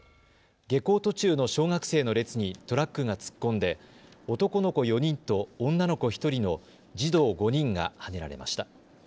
下校途中の小学生の列にトラックが突っ込んで男の子４人と女の子１人の児童５人がはねられました。